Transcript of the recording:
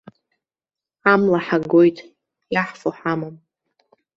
Амла ҳагоит, иаҳфо ҳамам.